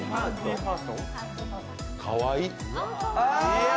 かわいいっ！